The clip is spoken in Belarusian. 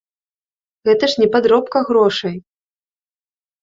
Гэта ж не падробка грошай.